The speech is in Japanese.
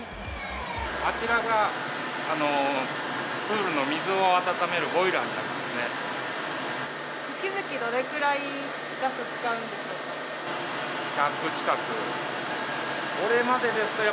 あちらがプールの水を温めるボイラーになりますね。